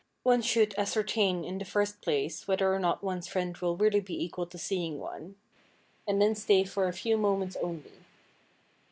One should ascertain in the first place whether or not one's friend will really be equal to seeing one, and then stay for a few moments only.